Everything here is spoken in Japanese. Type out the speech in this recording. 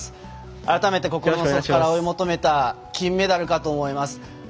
改めて心から追い求めた金メダルかと思います。